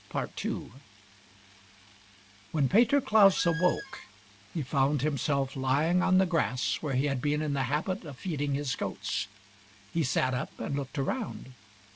11 When Peter Klaus awoke he found himself lying on the grass where he had been in the habit of feeding his goats. He sat up and looked around.